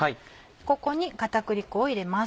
ここに片栗粉を入れます。